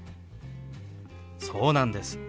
そうなんです。